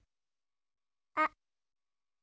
あっ。